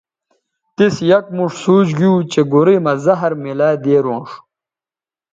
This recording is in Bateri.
تِس یک موݜ سوچ گیو چہء گورئ مہ زہر میلہ دیرونݜ